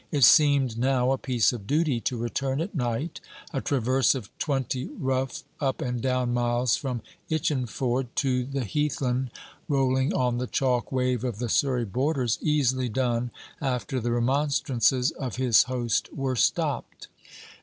It seemed now a piece of duty to return at night, a traverse of twenty rough up and down miles from Itchenford to the heath land rolling on the chalk wave of the Surrey borders, easily done after the remonstrances of his host were stopped.